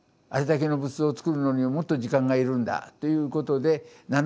あれだけの仏像を作るのにはもっと時間が要るんだということで